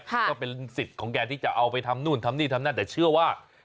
ก็เป็นสิทธิ์ของแกที่จะเอาไปทำนู่นทำนี่ทำนั่นแต่เชื่อว่า